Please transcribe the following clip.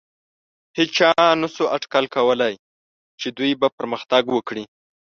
هېچا نهشو اټکل کولی، چې دوی به پرمختګ وکړي.